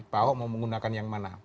pak ahok mau menggunakan yang mana